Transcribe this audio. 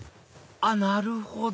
なるほど！